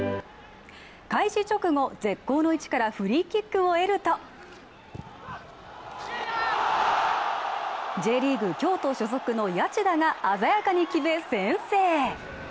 開始直後、絶好の位置からフリーキックを得るとＪリーグ京都所属の谷内田が鮮やかに決め、先制。